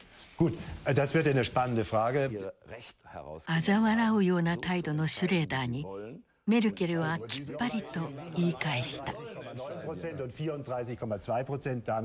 あざ笑うような態度のシュレーダーにメルケルはきっぱりと言い返した。